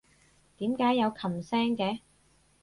點解有琴聲嘅？